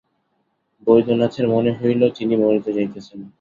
বৈদ্যনাথের মনে হইল তিনি মরিতে যাইতেছেন।